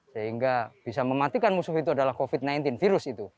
sehingga bisa mematikan musuh itu adalah covid sembilan belas virus itu